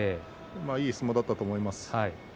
いい相撲だったと思います。